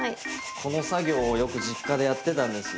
この作業をよく実家でやってたんですよ。